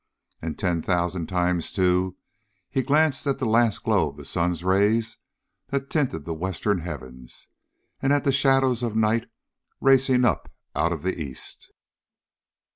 And ten thousand times, too, he glanced at the last glow of the sun's rays that tinted the western heavens, and at the shadows of night racing up out of the east.